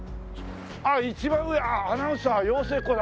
あっ一番上「アナウンサー養成講座」。